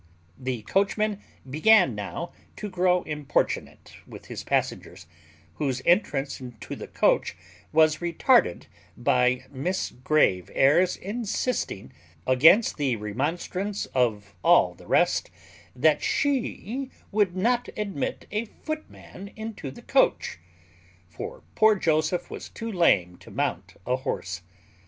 '" The coachman began now to grow importunate with his passengers, whose entrance into the coach was retarded by Miss Grave airs insisting, against the remonstrance of all the rest, that she would not admit a footman into the coach; for poor Joseph was too lame to mount a horse.